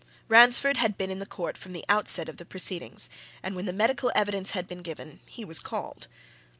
Ransford had been in the court from the outset of the proceedings, and when the medical evidence had been given he was called.